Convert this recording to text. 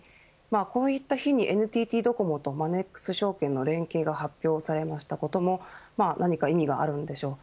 こういった日に、ＮＴＴドコモとマネックス証券の連携が発表されましたことも何か意味があるのでしょう。